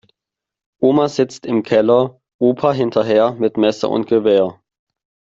Oma sitzt im Keller, Opa hinterher, mit Messer und Gewehr.